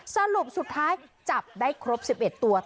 สรุปสุดท้ายจับได้ครบ๑๑ตัวแต่ทั้งหมด๗ชั่วโมงค่ะ